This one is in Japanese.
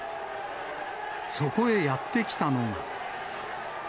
そこへやって来たのが。